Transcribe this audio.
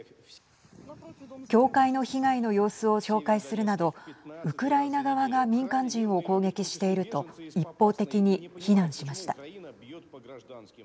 教会の被害の様子を紹介するなどウクライナ側が民間人を攻撃していると一方的に非難しました。